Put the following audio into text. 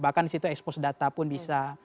bahkan disitu expose data pun bisa